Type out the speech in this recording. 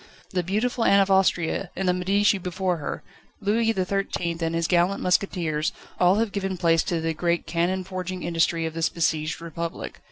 The beautiful Anne of Austria, and the Medici before her, Louis XIII, and his gallant musketeers all have given place to the great cannon forging industry of this besieged Republic.